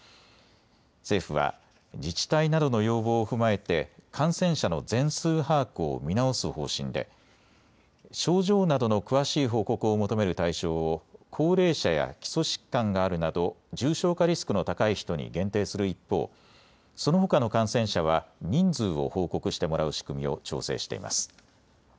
政府は自治体などの要望を踏まえて感染者の全数把握を見直す方針で症状などの詳しい報告を求める対象を高齢者や基礎疾患があるなど重症化リスクの高い人に限定する一方、そのほかの感染者は人数を報告してもらう仕組みを調整しています。